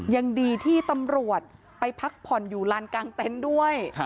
ยังดีที่ตำรวจไปพักผ่อนอยู่ลานกลางเต็นต์ด้วย